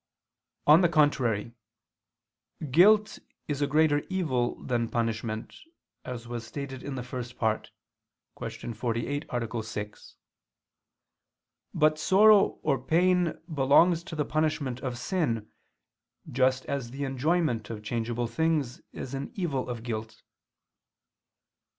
On the contrary, Guilt is a greater evil than punishment, as was stated in the First Part (Q. 48, A. 6). But sorrow or pain belongs to the punishment of sin, just as the enjoyment of changeable things is an evil of guilt.